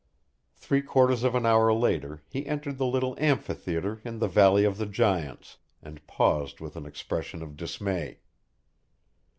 Three quarters of an hour later he entered the little amphitheatre in the Valley of the Giants and paused with an expression of dismay.